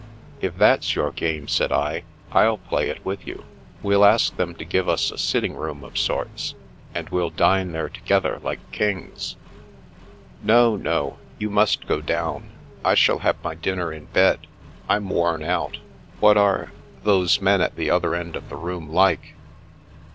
" If that's your game," said I, " I'll play it with you. We'll ask them to give us a sitting room of sorts, and we'll dine there together like kings." " No, no. You must go down. I shall have my dinner in bed. I'm worn out. What are — ^those men at the other end of the room like